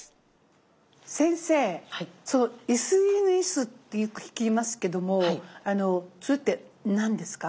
先生「ＳＮＳ」ってよく聞きますけどもそれって何ですか？